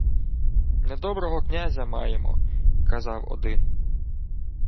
— Недоброго князя маємо, — казав один.